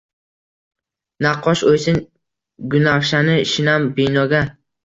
Naqqosh o’ysin gunafshani shinam binoga!